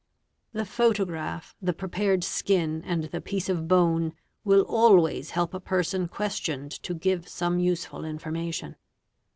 The photo graph, the prepared skin, and the piece of bone, will always help a person questioned to give some useful information.